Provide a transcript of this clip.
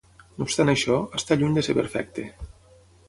No obstant això, està lluny de ser perfecte.